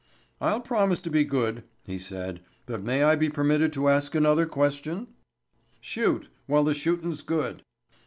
"I'll promise to be good," he said, "but may I be permitted to ask another question?" "Shoot—while the shootin's good."